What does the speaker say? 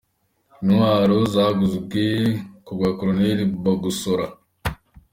Intwaro zaguzwe ku bwa Col Bagosora.